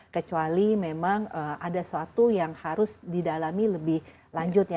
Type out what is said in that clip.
kecuali memang ada suatu yang harus didalami lebih lanjut ya